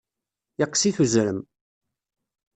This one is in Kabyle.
Yeqqes-it uzrem.